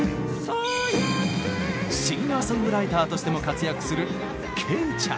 シンガーソングライターとしても活躍するけいちゃん。